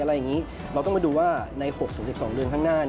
เราก็ต้องไปดูว่าใน๖๑๒เดือนข้างหน้า